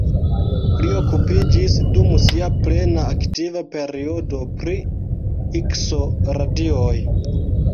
Li okupiĝis dum sia plena aktiva periodo pri Ikso-radioj.